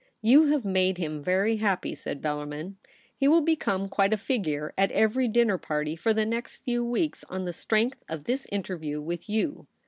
' You have made him very happy,' said Bellarmln. * He will become quite a figure at every dinner party for the next few weeks on the strength of this Interview with you.'